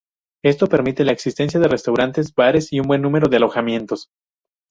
Esto permite la existencia de restaurantes, bares y un buen número de alojamientos.